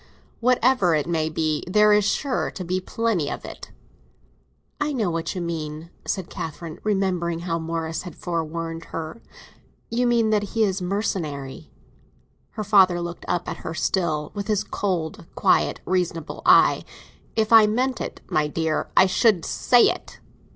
"Whatever it may be. There is sure to be plenty of it." "I know what you mean," said Catherine, remembering how Morris had forewarned her. "You mean that he is mercenary." Her father looked up at her still, with his cold, quiet reasonable eye. "If I meant it, my dear, I should say it!